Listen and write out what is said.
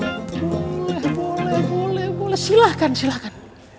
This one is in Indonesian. boleh boleh silahkan silahkan